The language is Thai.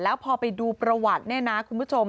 แล้วพอไปดูประวัติเนี่ยนะคุณผู้ชม